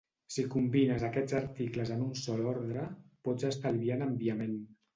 Si combines aquests articles en un sol ordre, pots estalviar en enviament.